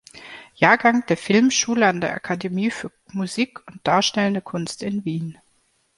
Jahrgang der Filmschule an der Akademie für Musik und darstellende Kunst in Wien.